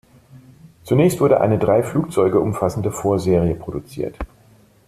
Zunächst wurde eine drei Flugzeuge umfassende Vorserie produziert.